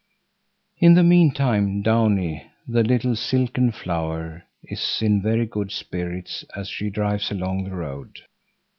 In the meantime Downie, the little silken flower, is in very good spirits as she drives along the road.